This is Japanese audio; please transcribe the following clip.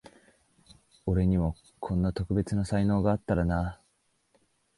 俺にもこんな特別な才能あったらなあ